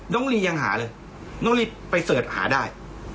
น้องลียังหาเลยน้องลีไปเสิร์ชหาได้